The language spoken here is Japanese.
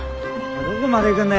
どこまで行くんだよ？